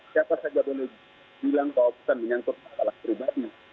siapa saja boleh bilang bahwa bukan menyentuh persoalan pribadi